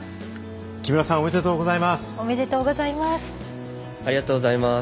木村さんありがとうございます。